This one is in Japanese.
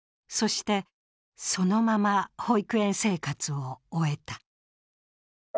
そして、そのまま保育園生活を終えた。